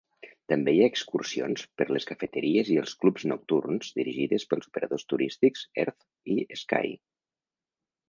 També hi ha excursions per les cafeteries i els clubs nocturns dirigides pels operadors turístics Earth i Sky.